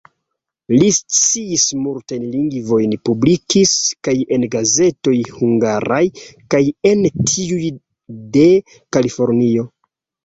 Li sciis multajn lingvojn, publikis kaj en gazetoj hungaraj kaj en tiuj de Kalifornio.